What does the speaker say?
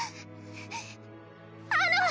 あの！